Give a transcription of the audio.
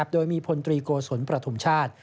โดยมีพลตรีโกศลประทุมชาติ